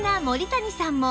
森谷さん。